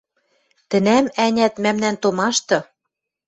Тӹнӓм, ӓнят, мӓмнӓн томашты